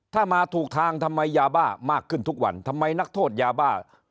ถ้ามาถูกทางทำไมยาบ้ามากขึ้นทุกวันทำไมนักโทษยาบ้า